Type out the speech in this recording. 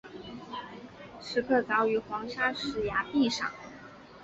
石刻凿于黄砂石崖壁上。